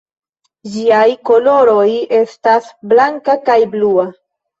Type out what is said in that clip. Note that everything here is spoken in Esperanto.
Ĝiaj koloroj estas blanka kaj blua.